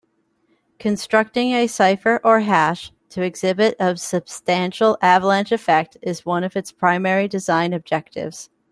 Constructing a cipher or hash to exhibit a substantial avalanche effect is one of its primary design objectives.